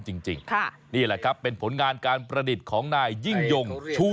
ใช่แล้วล่ะครับเป็นพลังงานแสงอาทิตย์ครับ